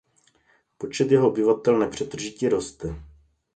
Počet jeho obyvatel nepřetržitě roste.